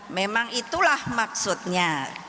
memang itulah maksudnya